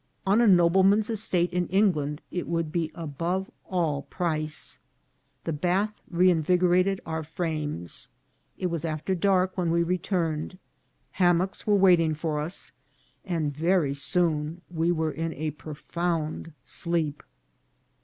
On a nobleman's estate in England it would be above all price. The bath reinvigorated our frames. It was after dark when we returned ; hammocks were waiting for us, and very soon we were in a profound sleep.